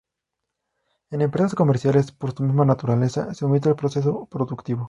En empresas comerciales, por su misma naturaleza, se omite el proceso productivo.